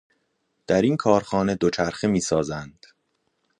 در این کارخانه دوچرخه میسازند.